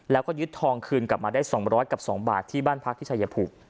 แล้วก็ยึดทองคืนกลับมาได้๒๐๐กับ๒บาทที่บ้านพักที่ชายภูมิ